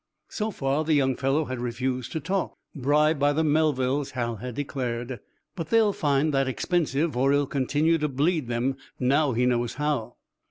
So far, the young fellow had refused to talk. "Bribed by the Melvilles," Hal had declared. "But they'll find that expensive, for he'll continue to bleed them, now he knows how."